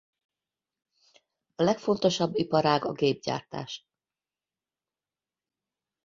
A legfontosabb iparág a gépgyártás.